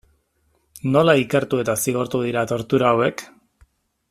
Nola ikertu eta zigortu dira tortura hauek?